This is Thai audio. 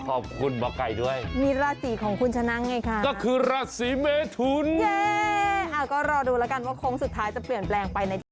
ก็รอดูแล้วกันว่าโค้งสุดท้ายจะเปลี่ยนแปลงไปในจังห์